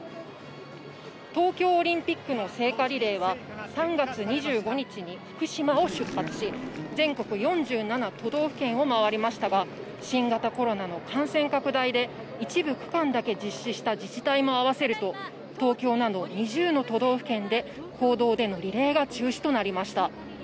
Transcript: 東京オリンピックの聖火リレーは、３月２５日に福島を出発し、全国４７都道府県を回りましたが、新型コロナの感染拡大で一部区間だけ実施した自治体も合わせると東京など２０の都道府県で公道でのリレーが中止となりました。